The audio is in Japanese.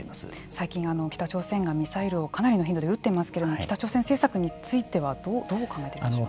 最近北朝鮮がミサイルをかなりの頻度で撃っていますけれども北朝鮮政策についてはどう考えていますか。